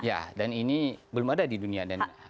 ya dan ini belum ada di dunia